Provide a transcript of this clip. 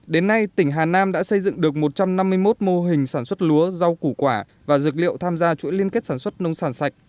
đến nay tỉnh hà nam đã xây dựng được một trăm năm mươi một mô hình sản xuất lúa rau củ quả và dược liệu tham gia chuỗi liên kết sản xuất nông sản sạch